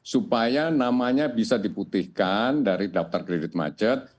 supaya namanya bisa diputihkan dari daftar kredit macet